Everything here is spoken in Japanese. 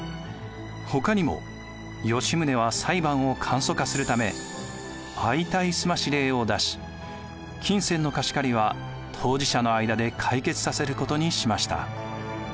ほかにも吉宗は裁判を簡素化するため相対済し令を出し金銭の貸し借りは当事者の間で解決させることにしました。